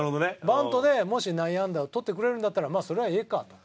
バントでもし内野安打をとってくれるんだったらまあそれはええかと。